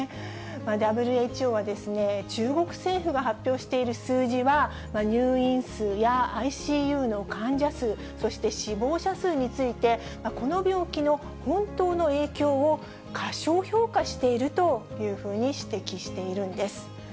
ＷＨＯは、中国政府が発表している数字は、入院数やＩＣＵの患者数、そして死亡者数について、この病気の本当の影響を過小評価しているというふうに指摘しているんです。